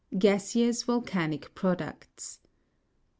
Gaseous volcanic products.